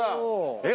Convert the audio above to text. えっ